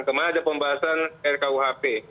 kemudian ada pembahasan rkuhp